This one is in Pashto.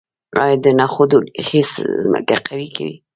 آیا د نخودو ریښې ځمکه قوي کوي؟